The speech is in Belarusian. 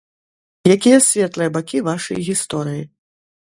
Якія светлыя бакі вашай гісторыі?